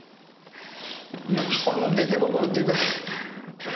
いやほんの出来心っていうか。